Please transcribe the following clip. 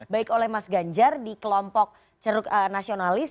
baik oleh mas ganjar di kelompok ceruk nasionalis